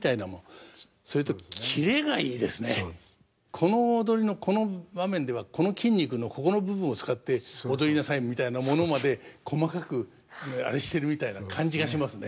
この踊りのこの場面ではこの筋肉のここの部分を使って踊りなさいみたいなものまで細かくあれしてるみたいな感じがしますね。